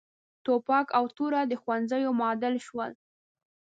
ټوپک او توره د ښوونځیو معادل شول.